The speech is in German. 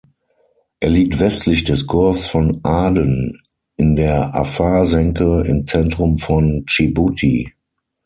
Er liegt westlich des Golfs von Aden in der Afar-Senke im Zentrum von Dschibuti.